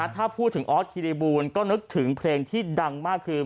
ถ้าพูดถึงออสคิริบูลก็นึกถึงเพลงที่ดังมากคือ